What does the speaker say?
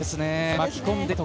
巻き込んできた！